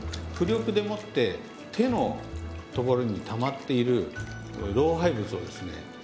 浮力でもって手のところにたまっている老廃物をですね